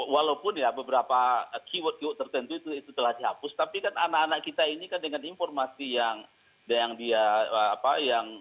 walaupun ya beberapa keyword keyword tertentu itu telah dihapus tapi kan anak anak kita ini kan dengan informasi yang dia apa yang